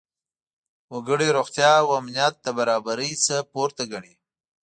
وګړي روغتیا او امنیت د برابرۍ نه پورته ګڼي.